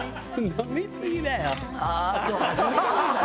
飲みすぎだよ」